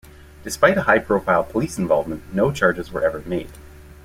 Despite a high-profile police involvement, no charges were ever made.